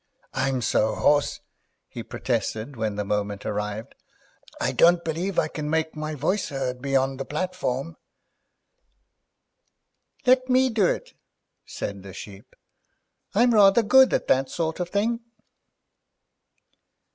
"I'm so hoarse," he protested, when the moment arrived; "I don't believe I can make my voice heard beyond the platform." "Let me do it," said the Sheep; "I'm rather good at that sort of thing."